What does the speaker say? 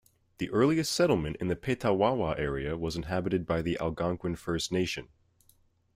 The earliest settlement in the Petawawa area was inhabited by the Algonquin First Nation.